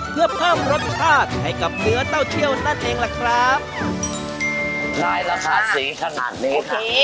เพื่อเพิ่มรสชาติให้กับเกลือเต้าเจียวนั่นเองแหละครับได้แล้วค่ะสีขนาดนี้ค่ะโอเค